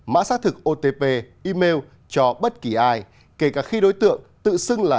mã xác thực otp email cho bất kỳ ai kể cả khi đối tượng tự xưng là